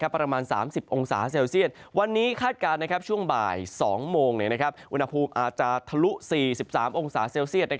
ประมาณ๓๐องศาเซลเซียตวันนี้คาดการณ์ช่วงบ่าย๒โมงอุณหภูมิอาจจะทะลุ๔๓องศาเซลเซียต